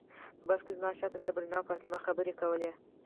په بس کې زما شاته صبرینا او فاطمه خبرې کولې.